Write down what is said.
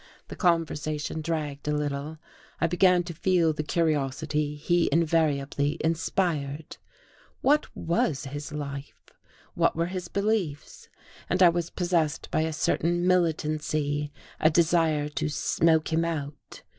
The conversation dragged a little; I began to feel the curiosity he invariably inspired. What was his life? What were his beliefs? And I was possessed by a certain militancy, a desire to "smoke him out."